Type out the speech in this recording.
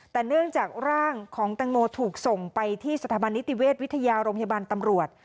แต่เนื่องจากร่างของตังโมถูกส่งไปที่สถาบันนิติเวชวิทยาโรงพยาบาลตำรวจ